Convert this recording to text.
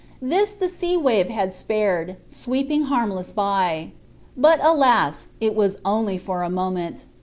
This the sea wave had spared, sweeping harmless by. But, alas! it was only for a moment.